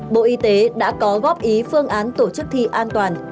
bộ y tế đã có góp ý phương án tổ chức thi an toàn